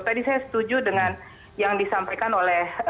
tadi saya setuju dengan yang disampaikan oleh